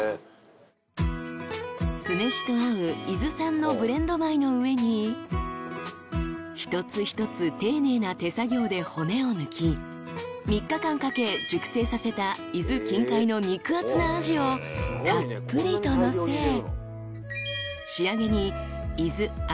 ［酢飯と合う伊豆産のブレンド米の上に一つ一つ丁寧な手作業で骨を抜き３日間かけ熟成させた伊豆近海の肉厚なアジをたっぷりとのせ仕上げに］